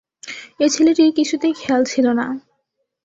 এ ছেলেটির কিছুতেই খেয়াল ছিল না।